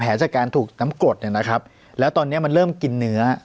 จากการถูกน้ำกรดเนี่ยนะครับแล้วตอนนี้มันเริ่มกินเนื้อ